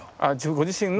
ご自身の？